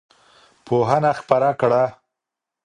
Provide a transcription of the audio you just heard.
پوهنه خپره کړه.